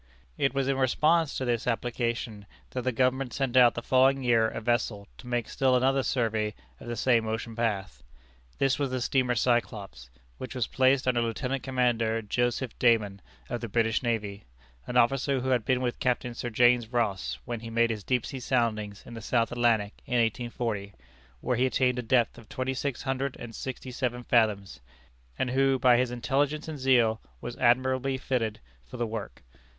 It was in response to this application that the Government sent out the following year a vessel to make still another survey of the same ocean path. This was the steamer Cyclops, which was placed under Lieutenant Commander Joseph Dayman, of the British navy, an officer who had been with Captain Sir James Ross when he made his deep sea soundings in the South Atlantic in 1840, where he attained a depth of twenty six hundred and sixty seven fathoms; and who by his intelligence and zeal, was admirably fitted for the work.